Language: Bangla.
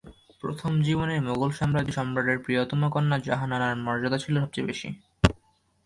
প্রথম জীবনে মোগল সাম্রাজ্যে সম্রাটের প্রিয়তম কন্যা জাহানারার মর্যাদা ছিল সবচেয়ে বেশি।